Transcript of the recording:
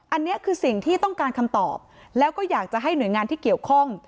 อันนี้คือสิ่งที่ต้องการคำตอบแล้วก็อยากจะให้หน่วยงานที่เกี่ยวข้อง